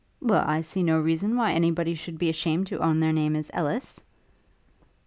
Well I see no reason why any body should be ashamed to own their name is Elless.'